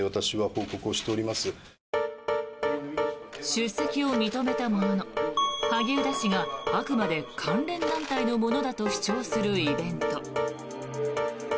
出席を認めたものの萩生田氏があくまで関連団体のものだと主張するイベント。